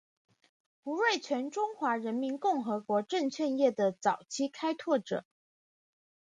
胡瑞荃中华人民共和国证券业的早期开拓者。